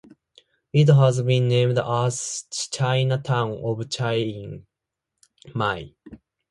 It has been named as "Chinatown of Chiang Mai".